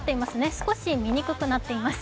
少し見にくくなっています